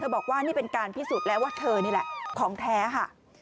บอกว่านี่เป็นการพิสูจน์แล้วว่าเธอนี่แหละของแท้ค่ะ